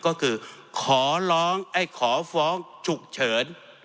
ก็คือขอฟ้องฉุกเฉิน